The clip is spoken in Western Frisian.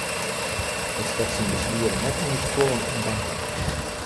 Hy stekt syn beswieren net ûnder stuollen en banken.